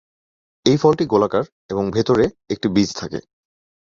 এই ফলটি গোলাকার এবং ভেতরে একটি বীজ থাকে।